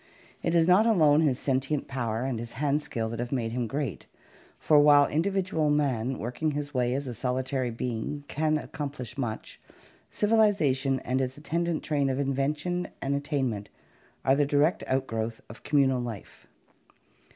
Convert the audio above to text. It is not alone his sentient power and his hand skill that have made him great, for while in dividual man working his way as a solitary being can accomplish much, civilization and its attendant train of invention and attain ment are the direct outgrowth of communal life.